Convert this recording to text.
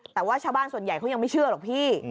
แต่ว่าชาวบ้านส่วนใหญ่เขายังไม่เชื่อหรอกพี่